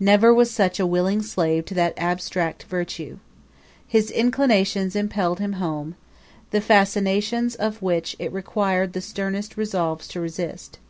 Never was such a willing slave to that abstract virtue. His inclinations impelled him home, the fascinations of which it required the sternest resolves to resist.